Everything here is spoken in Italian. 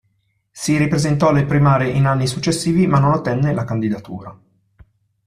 Si ripresentò alle primarie in anni successivi, ma non ottenne la candidatura.